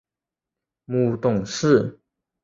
母董氏。